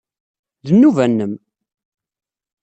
D nnuba-nnem.